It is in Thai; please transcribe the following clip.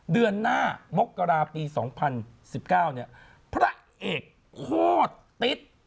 เดือนหน้ามกราปี๒๐๑๙เนี่ยพระเอกโคตรติ๊ด